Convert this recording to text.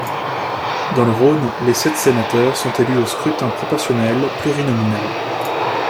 Dans le Rhône, les sept sénateurs sont élus au scrutin proportionnel plurinominal.